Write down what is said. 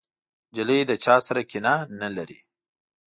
نجلۍ له چا سره کینه نه لري.